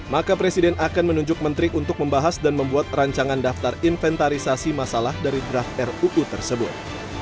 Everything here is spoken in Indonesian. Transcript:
maka presiden akan menunjuk menteri untuk membahas dan membuat rancangan daftar inventarisasi masalah dari draft ruu tersebut